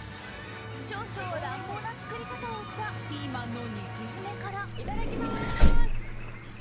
少々、乱暴な作り方をしたピーマンの肉詰めから。